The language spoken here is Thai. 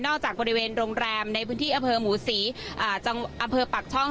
นอกจากบริเวณโรงแรมในพื้นที่อเภอหมูศรีอ่าจังอเภอปักช่อง